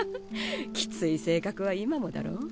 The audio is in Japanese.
きつい性格は今もだろう。